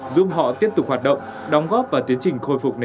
giúp họ tiếp tục hoạt động đóng góp và tiến trình khôi phục nền kinh tế